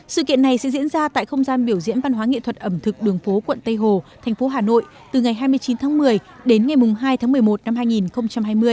sự kiện này sẽ diễn ra tại không gian biểu diễn văn hóa nghệ thuật ẩm thực đường phố quận tây hồ thành phố hà nội từ ngày hai mươi chín tháng một mươi đến ngày hai tháng một mươi một năm hai nghìn hai mươi